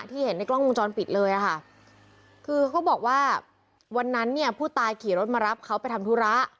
เห็นในกล้องวงจรปิดเลยค่ะคือเขาบอกว่าวันนั้นเนี่ยผู้ตายขี่รถมารับเขาไปทำธุระ